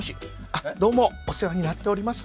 あっどうもお世話になっております